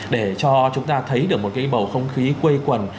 để cho chúng ta thấy được một cái bầu không khí quây quần